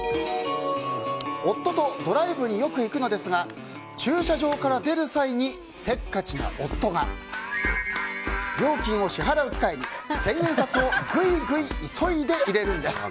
夫とドライブによく行くのですが駐車場から出る際にせっかちな夫が料金を支払う機械に千円札をぐいぐい急いで入れるんです。